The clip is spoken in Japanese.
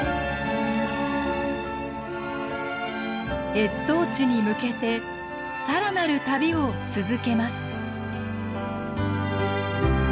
越冬地に向けてさらなる旅を続けます。